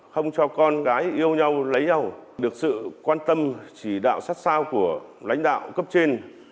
không cho con gái yêu nhau lấy nhau được sự quan tâm chỉ đạo sát sao của lãnh đạo cấp trên